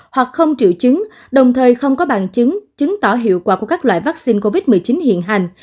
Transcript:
hoặc không triệu chứng đồng thời không có bằng chứng chứng tỏ hiệu quả của các loại vaccine covid một mươi chín hiện hành